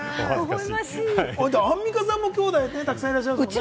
アンミカさんもきょうだい、たくさんいらっしゃいますもんね？